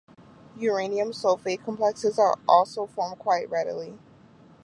Uranium sulfate complexes also form quite readily.